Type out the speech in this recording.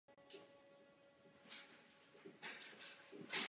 Ještě se bere v úvahu jedna možnost.